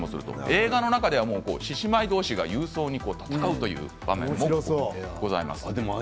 映画の中でも獅子舞どうしが勇壮に戦う場面もございます。